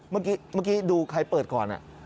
เมื่อกี้ดูใครเปิดก่อน